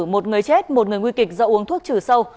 một người chết một người nguy kịch do uống thuốc trừ sâu